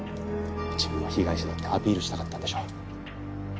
自分は被害者だってアピールしたかったんでしょう。